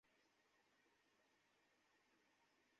কেন তুমি আমাকে মহৎ হতে শিখিয়েছিলে?